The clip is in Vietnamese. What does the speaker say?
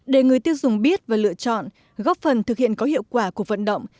để người tiêu dùng biết và lựa chọn góp phần thực hiện có hiệu quả cuộc vận động